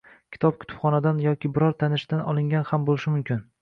Kitob kutubxonadan yoki biror tanishdan olingan ham boʻlishi mumkin